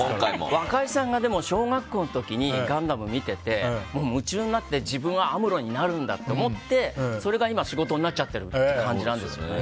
若井さんが小学校の時に「ガンダム」見てて夢中になって、自分はアムロになるんだって思ってそれが今、仕事になっちゃってるって感じなんですよね。